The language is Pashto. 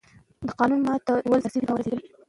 د قانون ماتول سیاسي بې باوري زېږوي